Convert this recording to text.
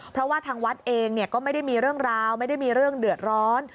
เพราะว่าทางวัดเองก็ไม่ได้มีเรื่องราวไม่ได้มีเรื่องเดือดร้อน